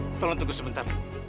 lia tolong tunggu sebentar